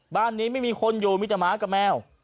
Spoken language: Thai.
บ้านนี้ไม่มีคนอยู่มีแต่หมากับแมว